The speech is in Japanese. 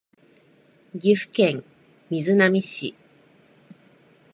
岐阜県瑞浪市